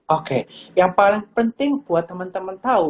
oke yang paling penting buat temen temen tau